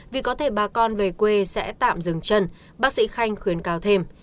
vì có thể bà con về quê sẽ tạm dừng chân bác sĩ khanh khuyến cáo thêm